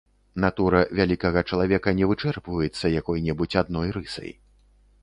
Натура вялікага чалавека не вычэрпваецца якой-небудзь адной рысай.